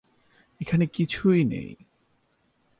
এখানে কিছুই নেই।